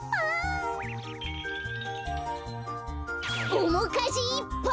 おもかじいっぱい！